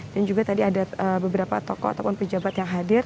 dan juga tadi ada beberapa tokoh ataupun pejabat yang hadir